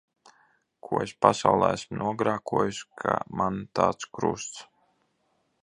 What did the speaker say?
Ko es pasaulē esmu nogrēkojusi, ka man tāds krusts.